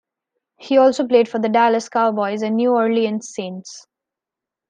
He also played for the Dallas Cowboys and New Orleans Saints.